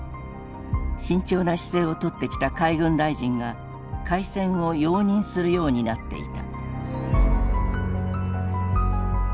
慎重な姿勢をとってきた海軍大臣が開戦を容認するようになっていた。